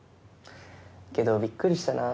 けどびっくりしたな。